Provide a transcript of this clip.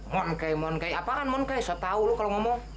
monke monke apaan monke saya tahu kalau kamu ngomong